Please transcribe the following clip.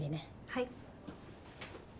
はい。